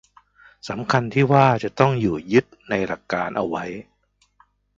สำคัญที่ว่าจะต้องอยู่ยึดในหลักการเอาไว้